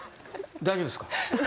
大丈夫ですか？